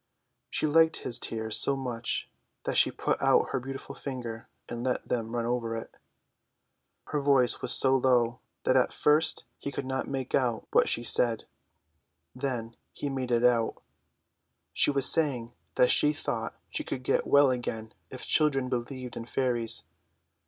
She liked his tears so much that she put out her beautiful finger and let them run over it. Her voice was so low that at first he could not make out what she said. Then he made it out. She was saying that she thought she could get well again if children believed in fairies.